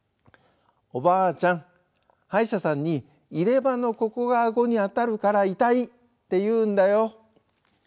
「おばあちゃん歯医者さんに入れ歯のここが顎に当たるから痛いって言うんだよ」。